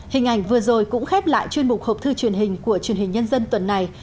hình ảnh vừa rồi cũng khép lại chuyên mục hộp thư truyền hình của truyền hình nhân dân tuần này